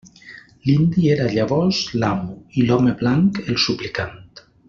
L'indi era llavors l'amo, i l'home blanc el suplicant.